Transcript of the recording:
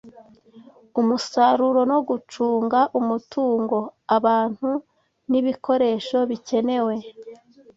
umusaruro no gucunga umutungo abantu nibikoresho bikenewe